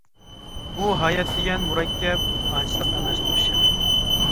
بۇ ھايات دېگەن مۇرەككەپ، ئاجىزلىق ئەمەستۇر شەرەپ.